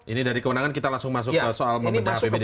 ini dari kewenangan kita langsung masuk ke soal membenah apbd